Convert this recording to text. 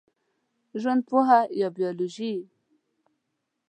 ژوندپوهه یا بېولوژي